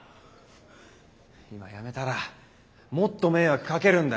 今辞めたらもっと迷惑かけるんだよ。